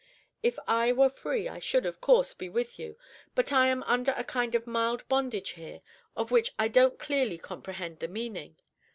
If I were free, I should, of course, be with you; but I am under a kind of mild bondage here, of which I don't clearly comprehend the meaning.